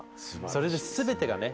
それで全てがね